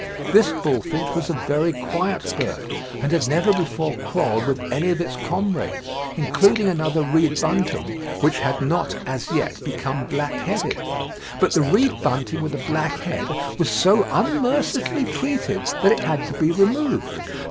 This bullfinch was a very quiet bird, and had never before quarrelled with any of its comrades, including another reed bunting, which had not as yet become black headed: but the reed bunting with a black head was so unmercifully treated that it had to be removed.